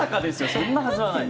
そんなはずはない。